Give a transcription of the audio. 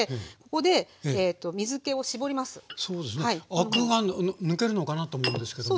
アクが抜けるのかなと思うんですけども。